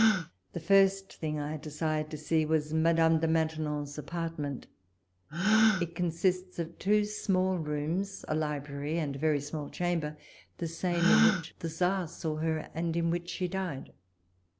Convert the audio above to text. The first thing I desired to see was Madame de Maintenon's apartment. It consists of two small rooms, a library, and a very small chamber, the same in which the Czar saw her, and in which she died.